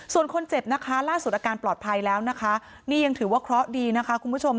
ส่วนคนเจ็บนะคะล่าสุดอาการปลอดภัยแล้วนะคะนี่ยังถือว่าเคราะห์ดีนะคะคุณผู้ชม